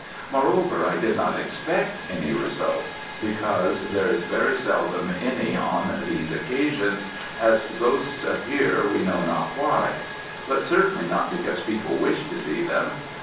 Moreover, I did not expect any result; because, there is very seldom any on these occasions, as ghosts appear we know not why; but certainly not because people wish to see them.